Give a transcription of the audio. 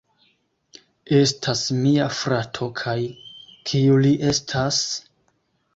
Estas mia frato kaj... kiu li estas?